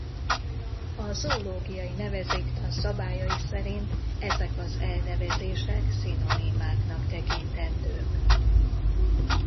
A zoológiai nevezéktan szabályai szerint ezek az elnevezések szinonimáknak tekintendők.